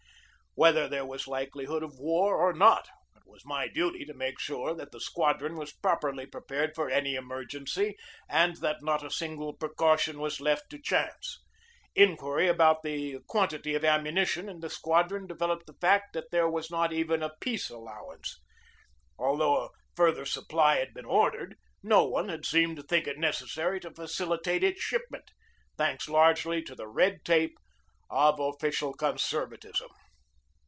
Whether there was likelihood of war or not, it was my duty to make sure that the squadron was properly prepared for any emergency and that not a single precaution was left to chance. Inquiry about the quantity of ammunition in the squadron devel oped the fact that there was not even a peace allow ance. Although a further supply had been ordered, no one had seemed to think it necessary to facili tate its shipment, thanks largely to the red tape of official conservatism.